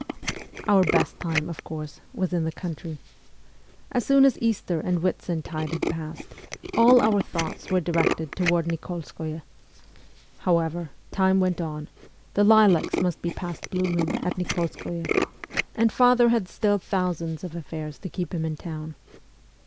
Our best time, of course, was in the country. As soon as Easter and Whitsuntide had passed, all our thoughts were directed towards Nikolskoye. However, time went on the lilacs must be past blooming at Nik61skoye and father had still thousands of affairs to keep him in town.